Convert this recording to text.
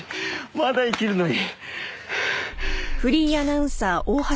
まだいけるのに。